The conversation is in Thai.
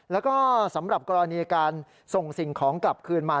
แล้วก็สำหรับกรณีการส่งสิ่งของกลับคืนมา